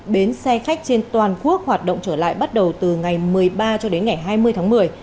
bến xe khách trên toàn quốc hoạt động trở lại bắt đầu từ ngày một mươi ba cho đến ngày hai mươi tháng một mươi